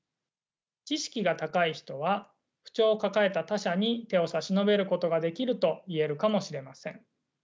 知識が高い人は不調を抱えた他者に手を差し伸べることができると言えるかもしれません。